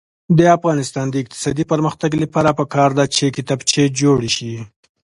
د افغانستان د اقتصادي پرمختګ لپاره پکار ده چې کتابچې جوړې شي.